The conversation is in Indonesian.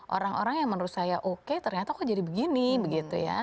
orang orang yang menurut saya oke ternyata kok jadi begini begitu ya